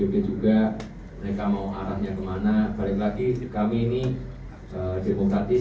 mereka mau arahnya kemana balik lagi kami ini demokratis